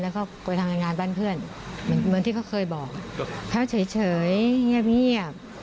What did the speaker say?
แล้วเขาไปทำงานงานบ้านเพื่อนเหมือนเหมือนที่เขาเคยบอกเขาเฉยเฉยเหี่ยบเงียบ